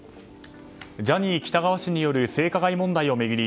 ジャニー喜多川氏による性加害問題を巡り